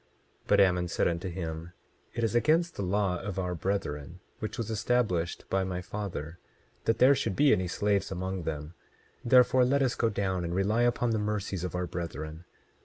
27:9 But Ammon said unto him: It is against the law of our brethren, which was established by my father, that there should be any slaves among them; therefore let us go down and rely upon the mercies of our brethren.